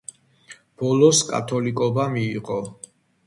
ბოლოს კათოლიკობა მიიღო.